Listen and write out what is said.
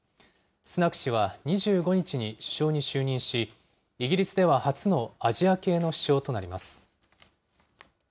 スナク氏は２５日に首相に就任し、イギリスでは初のアジア系の首相となります。